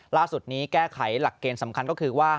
ล่าสุดนี้แก้ไขหลักเกณฑ์สำคัญก็คือว่า